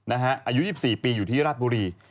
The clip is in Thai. อายุ๒๔ปีอยู่ที่ราชบุรี